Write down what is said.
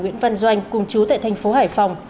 nguyễn văn doanh cùng chú tại thành phố hải phòng